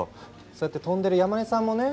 そうやって飛んでる山根さんもね